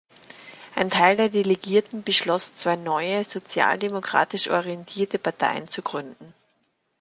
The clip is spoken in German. Ein Teil der Delegierten beschloss zwei neue, sozialdemokratisch orientierte Parteien zu gründen.